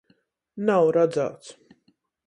Nav radzāts.